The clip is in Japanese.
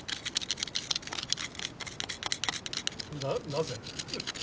なぜ？